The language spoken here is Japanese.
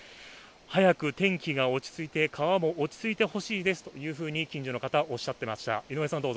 早く天気が落ち着いて川も落ち着いてほしいですと近所の方、おっしゃっていました。